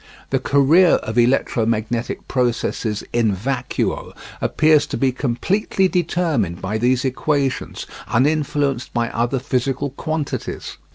The career of electromagnetic processes in vacuo appears to be completely determined by these equations, uninfluenced by other physical quantities.